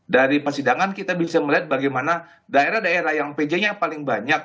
dari persidangan kita bisa melihat bagaimana daerah daerah yang pj nya yang paling banyak